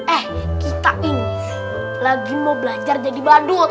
eh kita ini lagi mau belajar jadi badut